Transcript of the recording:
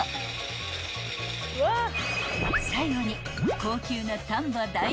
［最後に］